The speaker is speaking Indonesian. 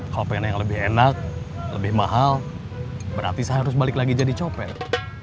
kalau pengen yang lebih enak lebih mahal berarti saya harus balik lagi jadi copet